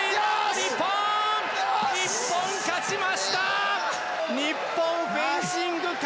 日本勝ちました！